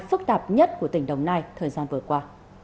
phức tạp nhất của tỉnh đồng nai thời gian vừa qua